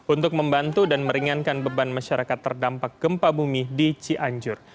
untuk membantu dan meringankan beban masyarakat terdampak gempa bumi di cianjur